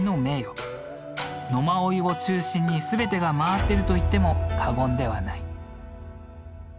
野馬追を中心に全てが回っていると言っても過言ではない。